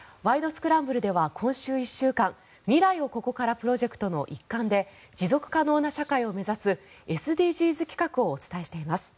スクランブル」では今週１週間未来をここからプロジェクトの一環で持続可能な社会を目指すＳＤＧｓ企画をお伝えしています。